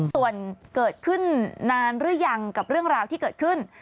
ส่วนเกิดขึ้นนานหรือยังกับเรื่องราวที่เกิดขึ้น